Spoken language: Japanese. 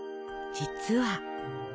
実は。